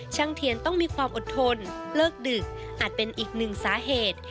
เทียนต้องมีความอดทนเลิกดึกอาจเป็นอีกหนึ่งสาเหตุ